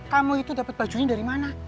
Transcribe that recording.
kamu itu dapat bajunya dari mana